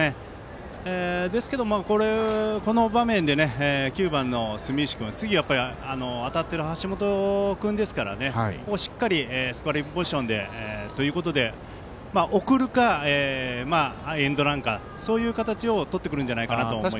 ですけど、この場面で９番の住石君次、当たっている橋本君ですからここはしっかりスコアリングポジションでということで送るかエンドランかそういう形をとってくるんじゃないかと思いますね。